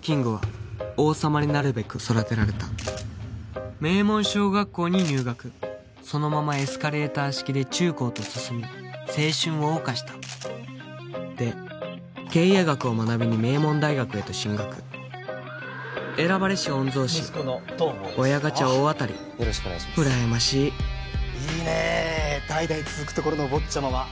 キングは王様になるべく育てられた名門小学校に入学そのままエスカレーター式で中高と進み青春を謳歌したで経営学を学びに名門大学へと進学選ばれし御曹司親ガチャ大当たり羨ましいいいねえ代々続くところのお坊ちゃまは